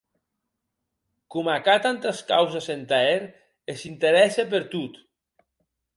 Coma qu'a tantes causes entà hèr e s'interèsse per tot!